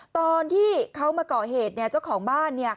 ตอนที่เขามาเกาะเหตุเนี่ยเจ้าของบ้านเนี่ย